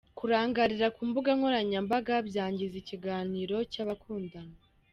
Kurangarira ku mbuga nkoranyambaga byangiza ikiganiro cy’abakundana.